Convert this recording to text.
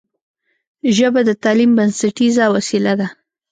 ژبه د تعلیم بنسټیزه وسیله ده